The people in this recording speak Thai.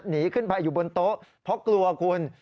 หนีขึ้นไปอยู่บนโต๊ะเพราะกลัวคุณ